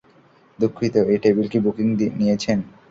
দুঃখিত, এই টেবিল কি বুকিং নিয়েছেন?